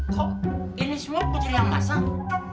kok ini semua putri yang masak